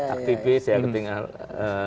aktivis ya ketinggalan